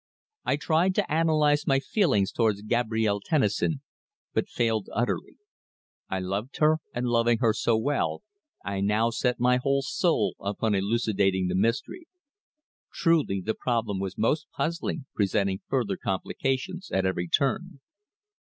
I tried to analyse my feelings towards Gabrielle Tennison, but failed utterly. I loved her, and loving her so well, I now set my whole soul upon elucidating the mystery. Truly, the problem was most puzzling, presenting further complications at every turn.